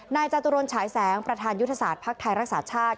นายจาตุรนฉายแสงประธานยุทธศาสตร์พักทายรักษาชาติ